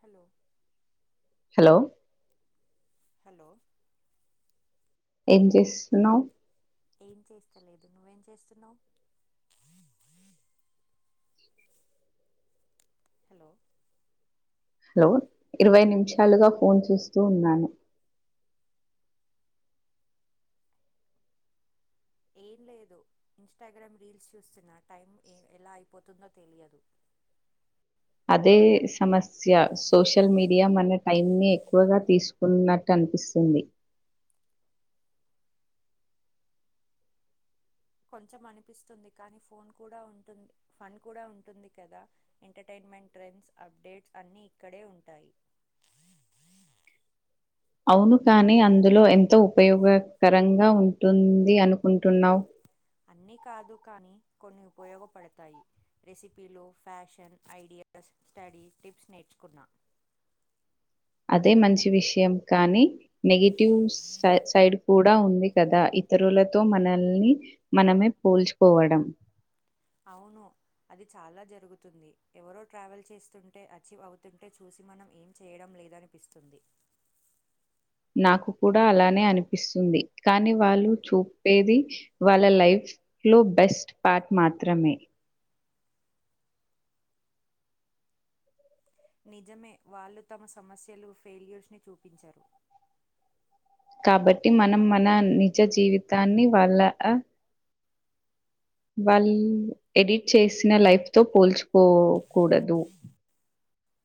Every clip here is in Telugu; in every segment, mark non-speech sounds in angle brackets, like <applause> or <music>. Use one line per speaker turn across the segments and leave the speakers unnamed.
హలో
హలొ
హలొ
ఏం చేస్తున్నావ్
ఏం చేస్తలేదు నువ్వేం చేస్తున్నావు హలో
హలో ఇరవై నిమిషాలుగా ఫోన్ చేూస్తూ ఉన్నాను
ఏం లేదు ఇన్స్టాగ్రామ్ రీల్స్ చూస్తున్న టైం ఎలా అయిపోతుందో తెలియదు
అదే సమస్య, సోషల్ మీడియా మన టైం ని ఎక్కువగా తీసుకున్నట్టు అనిపిస్తుంది.
కొంచెం అనిపిస్తుంది, కానీ ఫోన్ కూడా ఉంటుంది, ఫన్ కూడా ఉంటుంది కదా, ఎంటర్టన్మెంట్ ట్రెండ్స్ అప్డేట్స్ అన్ని ఇక్కడే ఉంటాయి.
అవును కానీ అందులో ఎంతో ఉపయోగకరంగా ఉంటుంది అనుకుంటున్నావ్
అన్నీ కాదు కానీ కొన్ని ఉపయోగపడతాయి, రెసిపీలో ఫ్యాషన్ ఐడియాస్ స్టడీ టిప్స్ నేర్చుకున్నా
అదే మంచి విషయం కానీ, నెగిటివ్ సై సైడ్ కూడా ఉంది కదా, ఇతరులతో మనల్ని మనమే పోల్చుకోవడం
అవును, అది చాలా జరుగుతుంది, ఎవరో ట్రావెల్ చేస్తుంటే అచీవ్ అవుతుంటే చూసి మనం ఏం చేయడం లేదనిపిస్తుంది.
నాకు కూడా అలానే అనిపిస్తుంది, కానీ వాళ్ళు చూపేది వాళ్ళ లైఫ్ లో బెస్ట్ పార్ట్ మాత్రమే
నిజమే వాళ్లు తమ సమస్యలు ఫెయిల్యూర్స్ ని చూపించారు
కాబట్టి మనం మన నిజ జీవితాన్ని వాళ్ళ అ వాళ్ళు ఎడిట్ చేసిన లైఫ్ తో పోల్చుకోకూడదు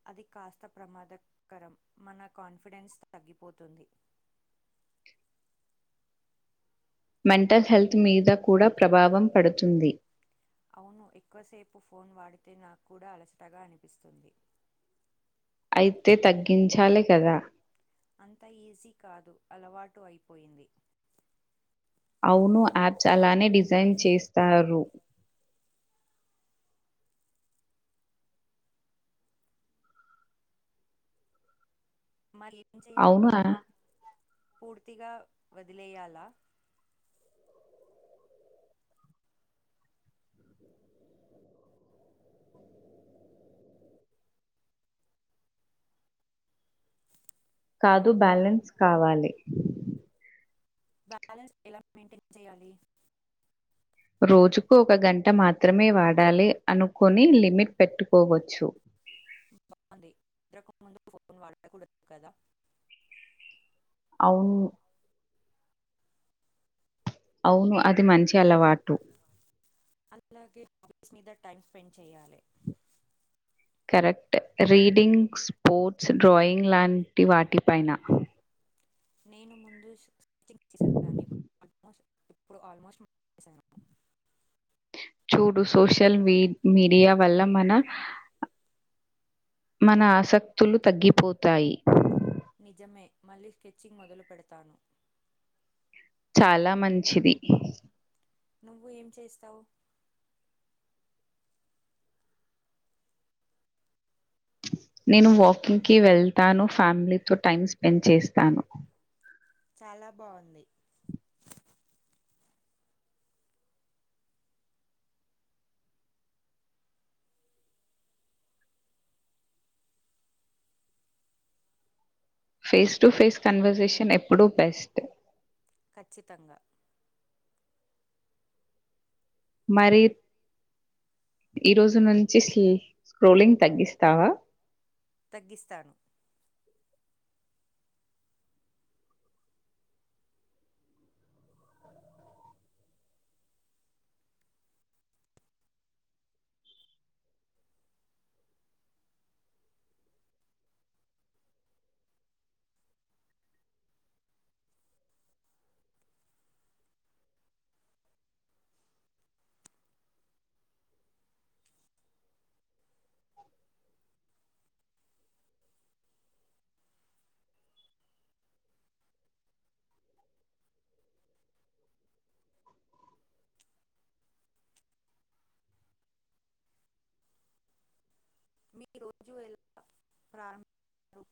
అది కాస్త ప్రమాదకరం మన కాన్ఫిడెన్స్ తగ్గిపోతుంది
మెంటల్ హెల్త్ మీద కూడ ప్రభావం పడుతుంది
అవును ఎక్కువసేపు ఫోన్ వాడితే నాకు కూడ అలసటగా అనిపిస్తుంది
అయితే తగ్గించాలి కద
అంత ఈజీ కాదు అలవాటు అయిపోయింది
అవును యాప్స్ అలానే డిజైన్ చేస్తారు
మల్లి
అవును
తగించేయాలే పోల్ పూర్తిగా వదిలేయాలా హలో
కాదు బ్యాలెన్స్ కావాలి
బ్యాలన్స్ ఎలా మెయింటైన్ చేయాలి
రోజుకు ఒక గంట మాత్రమే వాడ్ పడాలి అనుకని లిమిట్ పెట్టుకోవచ్చు
ముందున్ వాడకూడదు కదా
అవును అవును అది మంచి అలవాటు
అలాగే హబీస్ మీద టైం స్పెండ్ చేయాలి
కరెక్ట్ రీడింగ్ స్పోర్ట్స్ డ్రాయింగ్ లాంటి వాటిపైన
నేను ముందు స్టిచింగ్ చేసేదాన్ని ఇప్పుడు ఆల్మోస్ట్
చూడు సోషల్ మీడియా వల్ల మన మన ఆసక్తులు తగ్గిపోతాయి.
నిజమే మళ్ళీ స్కెచింగ్ మొదలు పెడతాను
చాలా మంచిది
నువ్వు ఏం చేస్తావు
నేను వాకింగ్ కి వెళ్తాను ఫ్యామిలీతో టైమ్ స్పెండ్ చేస్తాను
చాలా బాగుంది
ఫేస్ టు ఫేస్ కన్వర్సేషన్ ఎప్పుడూ బెస్ట్
ఖచ్చితంగా
మరి ఈరోజు నుంచి స్క్రోలింగ్ తగ్గిస్తావా
తగ్గిస్తాను మీ రోజు ఎలా ప్రారం <unintelligible>